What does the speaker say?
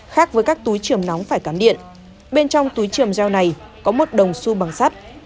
khác với các túi trường nóng phải cắn điện bên trong túi trường geo này có một đồng su bằng sắt